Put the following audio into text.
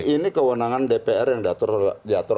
ini kewenangan dpr yang diatur